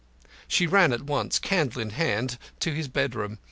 She ran at once, candle in hand, to his bedroom.